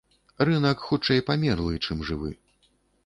Рынак хутчэй памерлы, чым жывы.